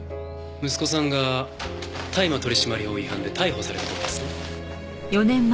息子さんが大麻取締法違反で逮捕された時ですね？